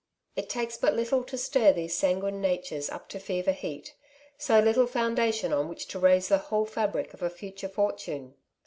It takes but little to stir these sanguine natures up to fever heat, so little foundation on which to raise the whole fabric of a future fortune.